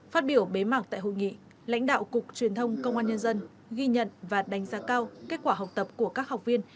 phát biểu bế mạc tại hội nghị lãnh đạo cục truyền thông công an nhân dân ghi nhận và đánh giá cao kết quả học tập của các học viên